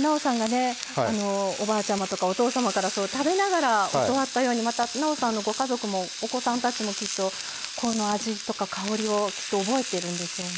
なおさんがおばあちゃまとかお父様から食べながら教わったようにまた、なおさんのご家族もお子さんたちも、きっとこの味とか香りを、きっと覚えているんでしょうね。